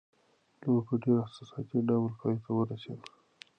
لوبه په ډېر احساساتي ډول پای ته ورسېده.